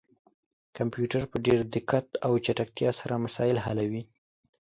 کمپيوټر په ډير دقت او چټکتيا سره مسايل حلوي